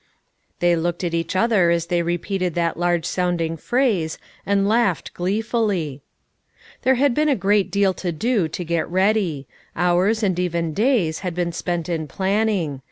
" They looked at each other as they repeated that large sounding phrase, and laughed gleefully. There had been a great deal to do to get ready. Hours and even days had been spent in planning.